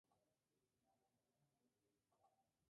Son hierbas perennes robustas con raíces gruesas.